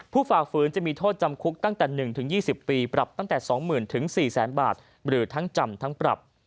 ฝ่าฝืนจะมีโทษจำคุกตั้งแต่๑๒๐ปีปรับตั้งแต่๒๐๐๐๔๐๐๐บาทหรือทั้งจำทั้งปรับ